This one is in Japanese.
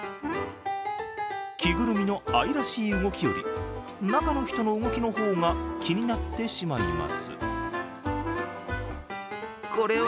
着ぐるみの愛らしい動きより中の人の動きの方が気になってしまいます。